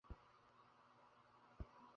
ঋষিগণ কেবল ঐ-সকল প্রত্যক্ষ করিয়াছেন।